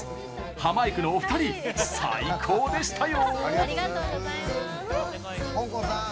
ハマいくのお二人、最高でしたよ。